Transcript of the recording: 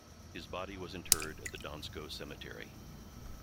His body was interred at the Donskoe Cemetery.